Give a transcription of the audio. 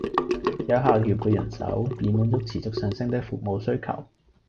有效調配人手，以滿足持續上升的服務需求